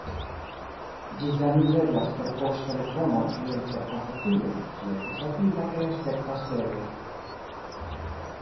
Ĝi same uzeblas per poŝtelefono kiel per komputilo, ĝi estas rapida kaj aspektas bele.